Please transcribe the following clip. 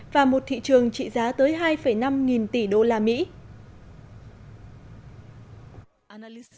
và một thị trường trị giá tới hai năm nghìn tỷ đô la mỹ